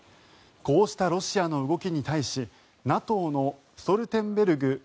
こうしたロシアの動きに対しＮＡＴＯのストルテンベルグ